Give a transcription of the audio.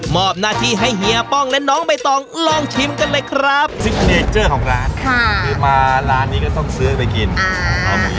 บหน้าที่ให้เฮียป้องและน้องใบตองลองชิมกันเลยครับซิกเนเจอร์ของร้านค่ะคือมาร้านนี้ก็ต้องซื้อไปกิน